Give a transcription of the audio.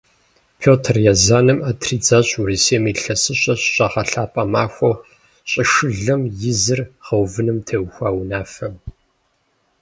Пётр Езанэм Ӏэ тридзащ Урысейм ИлъэсыщӀэр щыщагъэлъапӀэ махуэу щӀышылэм и зыр гъэувыным теухуа унафэм.